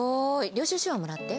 領収書はもらって。